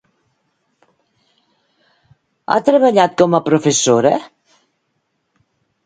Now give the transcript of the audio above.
Ha treballat com a professora?